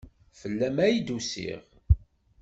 Fell-am ay d-usiɣ.